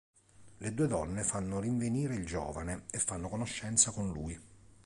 Le due donne fanno rinvenire il giovane, e fanno conoscenza con lui.